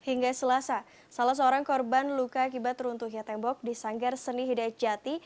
hingga selasa salah seorang korban luka akibat runtuhnya tembok di sanggar seni hidayat jati